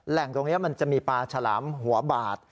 ตรงนี้มันจะมีปลาฉลามหัวบาด